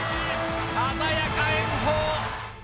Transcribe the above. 鮮やか炎鵬！